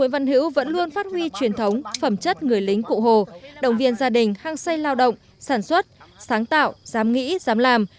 ông hữu luôn phát huy truyền thống phẩm chất người lính cụ hồ đồng viên gia đình hăng xây lao động sản xuất sáng tạo dám nghĩ dám làm